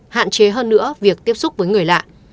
hạn chế hơn nữa việc tiếp xúc với người lạ